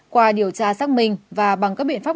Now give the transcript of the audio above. qua điều tra xác minh và bằng các biện pháp